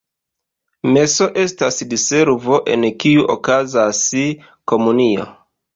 Meso estas diservo, en kiu okazas komunio.